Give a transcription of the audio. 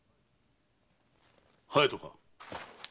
隼人か？